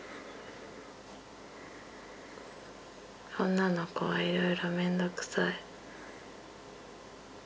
女の子はいろいろ面倒くさい。